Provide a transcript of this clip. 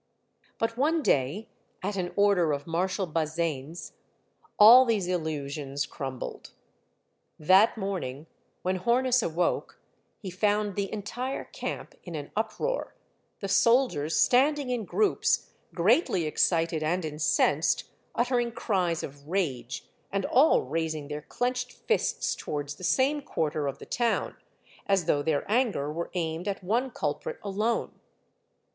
But one day, at an order of Marshal Bazaine's, all these illusions crumbled. That morning, when Hornus awoke, he found the entire camp in an up roar, the soldiers standing in groups, greatly ex The Color Sergeant I2l cited and incensed, uttering cries of rage, and all raising their clenched fists towards the same quar ter of the town, as though their anger were aimed at one culprit alone.